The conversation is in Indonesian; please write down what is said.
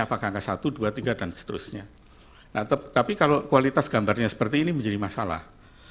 apakah angka satu dua tiga dan seterusnya nah tetapi kalau kualitas gambarnya seperti ini menjadi masalah